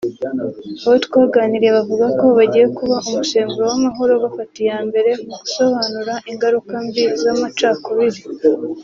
Abo twaganiriye bavuga ko bagiye kuba umusemburo w’amahoro bafata iyambere mu gusobanura ingaruka mbi z’amacakubiri